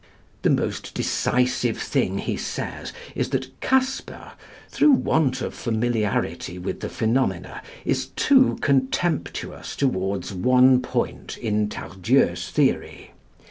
The most decisive thing he says is that Casper, through want of familiarity with the phenomena, is too contemptuous toward one point in Tardieu's theory.